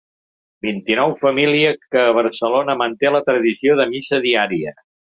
Vint-i-nou família que a Barcelona manté la tradició de missa diària—.